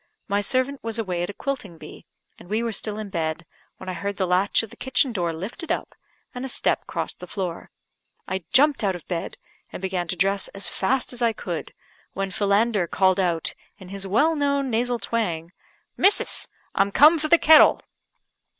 My servant was away at a quilting bee, and we were still in bed, when I heard the latch of the kitchen door lifted up, and a step crossed the floor. I jumped out of bed, and began to dress as fast as I could, when Philander called out, in his well known nasal twang "Missus! I'm come for the kettle."